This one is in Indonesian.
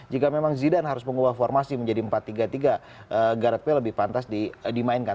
jika memang zidan harus mengubah formasi menjadi empat tiga tiga gardut pay lebih pantas dimainkan